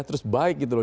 terus baik gitu loh